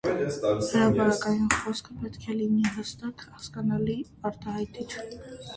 Հրապարակային խոսքը պետք է լինի հստակ, հասկանալի, արտահայտիչ։